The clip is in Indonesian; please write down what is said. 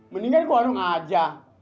mendingan ke warung aja